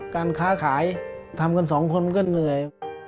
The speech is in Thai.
การค้าขายทำกันสองคนก็เหนื่อย